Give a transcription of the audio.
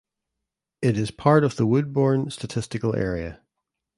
It is part of the Woodbourne statistical area.